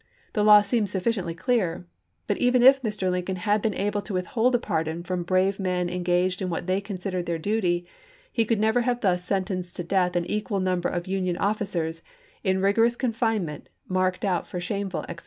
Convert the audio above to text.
The law seemed sufficiently clear ; but even if Mr. Lincoln had been able to withhold a pardon from brave men engaged in what they considered their duty, he could never have thus sentenced to death an equal number of Union officers, in rigorous confinement, marked out for shameful execution.